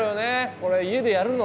これ家でやるの？